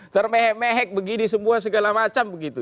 cara mehek mehek begini semua segala macam begitu